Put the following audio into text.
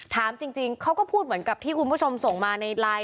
ถามจริงเขาก็พูดเหมือนกับที่คุณผู้ชมส่งมาในไลน์